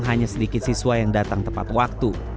hanya sedikit siswa yang datang tepat waktu